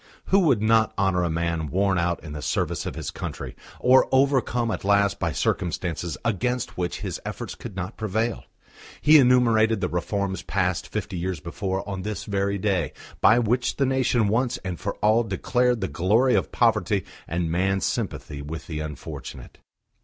Who would not honour a man worn out in the service of his country, or overcome at last by circumstances against which his efforts could not prevail?... He enumerated the reforms passed fifty years before on this very day, by which the nation once and for all declared the glory of poverty and man's sympathy with the unfortunate.